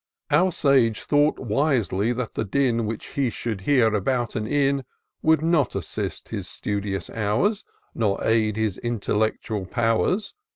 Our sage thought wisely that the din, Which he should hear about an inn, Would not assist his studious hours. Nor aid his intellectual powers.